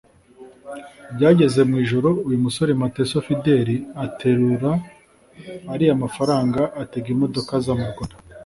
Byageze mu ijoro uyu musore Mateso Fidèle aterura ariya mafaranga atega imodoka aza mu Rwanda”